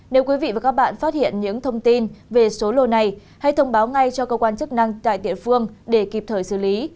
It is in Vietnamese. nếu quý vị và các bạn phát hiện những thông tin về số lô này hãy thông báo ngay cho cơ quan chức năng tại địa phương để kịp thời xử lý